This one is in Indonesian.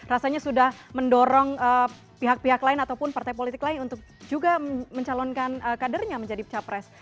rasanya sudah mendorong pihak pihak lain ataupun partai politik lain untuk juga mencalonkan kadernya menjadi capres